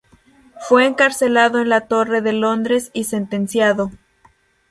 Fue encarcelado en la Torre de Londres y sentenciado.